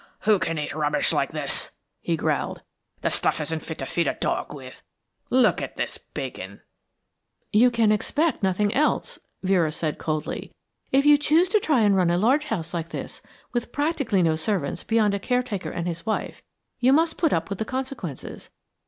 "Who can eat rubbish like this?" he growled. "The stuff isn't fit to feed a dog with. Look at this bacon." "You can expect nothing else," Vera said, coldly. "If you choose to try and run a large house like this with practically no servants beyond a caretaker and his wife, you must put up with the consequences.